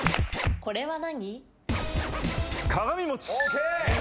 これは何？